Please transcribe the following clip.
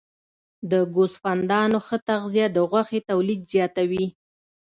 د ګوسفندانو ښه تغذیه د غوښې تولید زیاتوي.